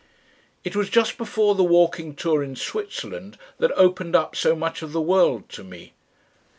It was just before the walking tour in Switzerland that opened up so much of the world to me.